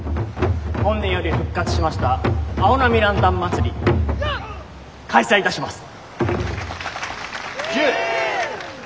本年より復活しました青波ランタン祭り開催いたします。